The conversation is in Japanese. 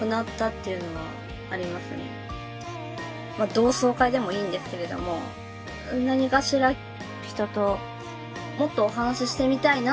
同窓会でもいいんですけれども何かしら人ともっとお話ししてみたいな。